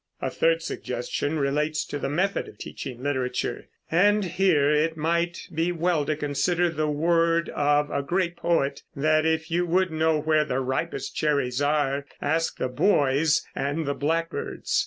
A third suggestion relates to the method of teaching literature; and here it might be well to consider the word of a great poet, that if you would know where the ripest cherries are, ask the boys and the blackbirds.